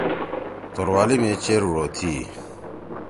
توروالی می چیر ڙو تھيی